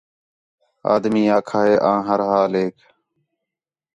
آدمی آکھا ہِے آں ہر جالیک